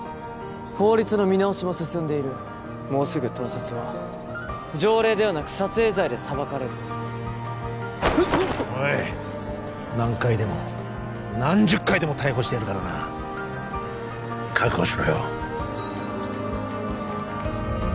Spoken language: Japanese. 法律の見直しも進んでいるもうすぐ盗撮は条例ではなく撮影罪で裁かれるおい何回でも何十回でも逮捕してやるからな覚悟しろよ